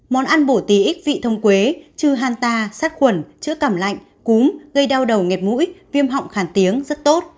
món ăn bổ tí ít vị thông quế chư hàn tà sát khuẩn chữa cảm lạnh cúm gây đau đầu nghẹt mũi viêm họng khản tiếng rất tốt